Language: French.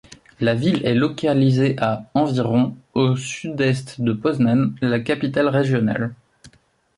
La ville est localisée à environ au sud-est de Poznań, la capitale régionale.